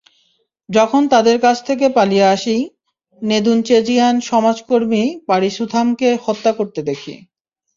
যখন তাদের কাছ থেকে পালিয়ে আসি, - নেদুনচেজিয়ান সমাজকর্মী পারিসুথামকে হত্যা করতে দেখি।